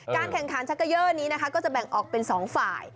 แข่งขันชักเกยอร์นี้นะคะก็จะแบ่งออกเป็น๒ฝ่าย